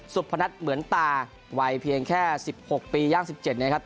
สุพนัทเหมือนตาวัยเพียงแค่สิบหกปีย่างสิบเจ็ดนะครับ